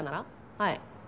はい。